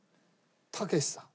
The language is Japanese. たけしさん。